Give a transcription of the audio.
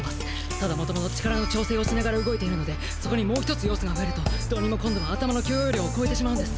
ただ元々力の調整をしながら動いているのでそこにもう一つ要素が増えるとどうにも今度は頭の許容量を超えてしまうんです。